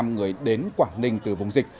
một trăm linh người đến quảng ninh từ vùng dịch